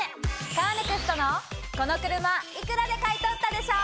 カーネクストのこの車幾らで買い取ったでしょ！